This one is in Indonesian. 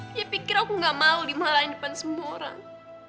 dia pikir aku gak mau dimarahin depan semua orang